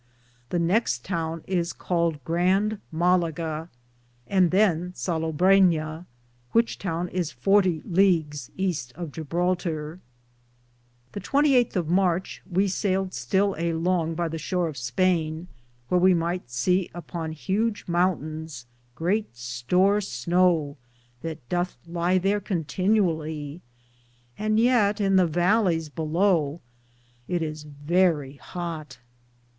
The nexte towne is caled grand Malligan,^ and than Sallabrin,^ which towne is fortie Leages easte of Jeblatore. The 28 of Marche we sayled still a longe by the shore of Spayne, wheare we myghte se upon hudg mountaynes great store snowe that Dothe ly thare contenually, and yeate in the vallies below it is verrie hote.